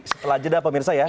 setelah jeda pemirsa ya